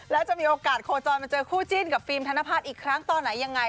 แล้วจะมีโอกาสโคจรมาเจอคู่จิ้นกับฟิล์มธนพัฒน์อีกครั้งตอนไหนยังไง